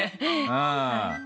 うん。